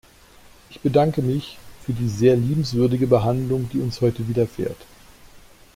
Ich bedanke mich für die sehr liebenswürdige Behandlung, die uns heute widerfährt.